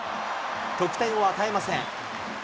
得点を与えません。